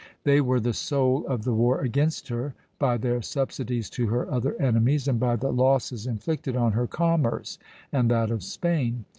They were the soul of the war against her, by their subsidies to her other enemies and by the losses inflicted on her commerce and that of Spain.